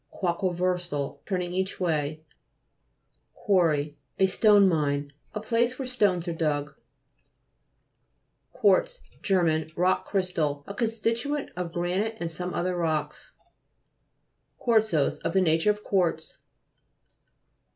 QUAQ.UAVERSAL Turning each way. QUARRY A stone mine ; a place where stones are dug. QUARTZ Ger. Rock crystal. A con stituent of granite and some other rocks. QUA'HTZOSE Of the nature of quartz.